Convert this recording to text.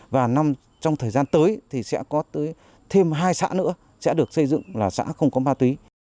và trong thời gian tới thì sẽ có tới thêm hai xã nữa sẽ được xây dựng là xã không có ma túy